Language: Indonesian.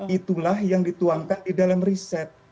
itulah yang dituangkan di dalam riset